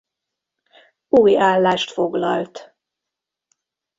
Új állást foglalt.